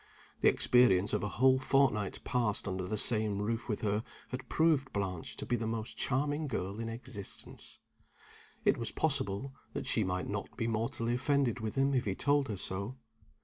The experience of a whole fortnight passed under the same roof with her had proved Blanche to be the most charming girl in existence. It was possible that she might not be mortally offended with him if he told her so.